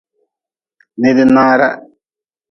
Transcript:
Nidnaara.